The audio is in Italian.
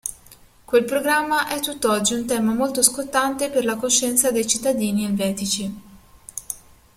Quel programma è tutt'oggi un tema molto scottante per la coscienza dei cittadini elvetici.